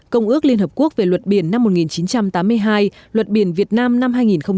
công ước liên hợp quốc về luật biển năm một nghìn chín trăm tám mươi hai luật biển việt nam năm hai nghìn một mươi hai